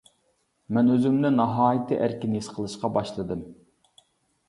مەن ئۆزۈمنى ناھايىتى ئەركىن ھېس قىلىشقا باشلىدىم.